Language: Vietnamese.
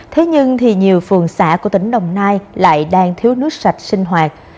thế nhưng thì nhiều phường xã của tỉnh đồng nai lại đang thiếu nước sạch sinh hoạt